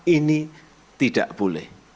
ini tidak boleh